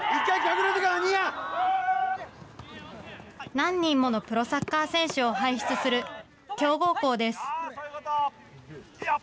何人ものプロサッカー選手を輩出する強豪校です。